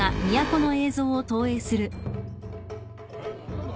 何だ？